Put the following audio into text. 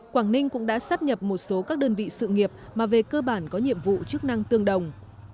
quảng ninh cũng đã sắp nhập một số các đơn vị sự nghiệp mà về cơ bản có nhiệm vụ chức năng tương đồng